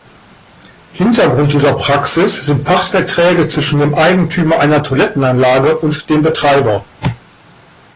Hintergrund dieser Praxis sind Pachtverträge zwischen dem Eigentümer einer Toilettenanlage und dem Betreiber.